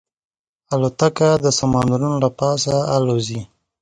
الوتکه د سمندرونو له پاسه الوزي.